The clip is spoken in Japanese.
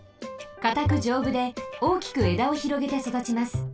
かたくじょうぶで大きくえだをひろげてそだちます。